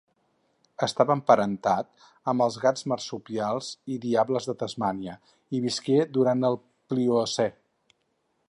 Estava emparentat amb els gats marsupials i diables de Tasmània i visqué durant el Pliocè.